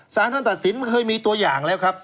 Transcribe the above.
สารท่านตัดสินเคยมีตัวอย่างแล้วครับ